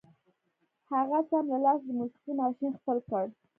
هغه سم له لاسه د موسيقۍ ماشين خپل کړ.